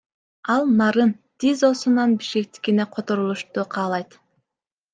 Ал Нарын ТИЗОсунан Бишкектикине которулушту каалайт.